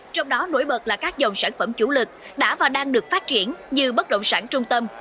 trong đó nổi bật là các dòng sản phẩm chủ lực đã và đang được phát triển như bất động sản trung tâm